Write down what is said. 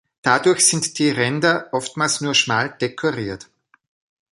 Dadurch sind die Ränder oftmals nur schmal dekoriert.